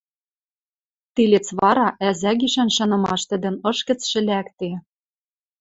тилец вара ӓзӓ гишӓн шанымаш тӹдӹн ыш гӹцшӹ лӓкде.